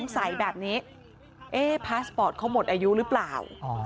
ใสแบบนี้พาสปอร์ตเขาหมดอายุหรือเปล่า